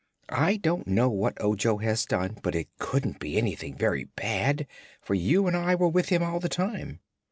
"I don't know what Ojo has done, but it couldn't be anything very bad, for you and I were with him all the time."